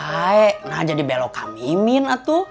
saya sudah jadi belokang mimin